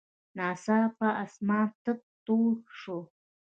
ناڅاپه اسمان تک تور شو.